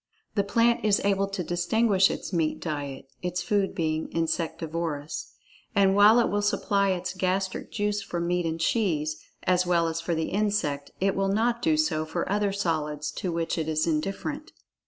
The plant is able to distinguish its meat diet (its food being insectivorous), and while it will supply its gastric juice for meat and cheese, as well as for the insect, it will not do so for other solids to which it is indifferent.